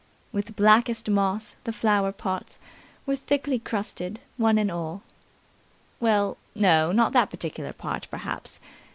"With blackest moss the flower pots Were thickly crusted, one and all." Well, no, not that particular part, perhaps.